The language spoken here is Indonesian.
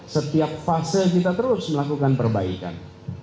setiap fase kita terus melakukan perbaikan